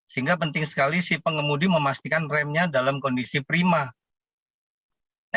sehingga penting sekali si pengemudi memastikan remnya dalam kondisi prima